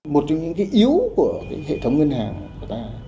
một trong những cái yếu của cái hệ thống ngân hàng của ta đó là cán bộ tín chấp